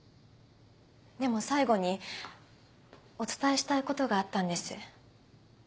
でも最後にお伝えしたいことがあったんです。